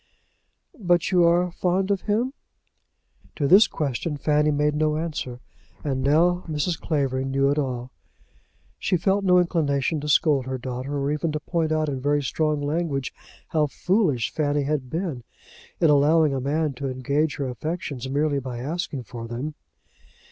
"But you are fond of him?" To this question Fanny made no answer, and now Mrs. Clavering knew it all. She felt no inclination to scold her daughter, or even to point out in very strong language how foolish Fanny had been in allowing a man to engage her affections merely by asking for them.